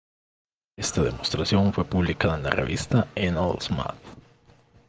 Esta demostración fue publicada en la revista "Annals Math.